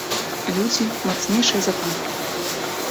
Людзі, мацнейшыя за танкі.